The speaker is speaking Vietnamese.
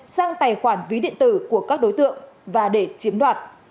sang tài khoản ví điện tử của các đối tượng và để chiếm đoạt